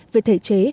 về thể chế